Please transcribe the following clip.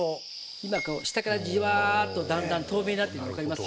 今こう下からじわっとだんだん透明になってるの分かります？